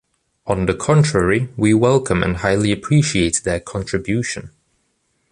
On the contrary, we welcome and highly appreciate their contribution.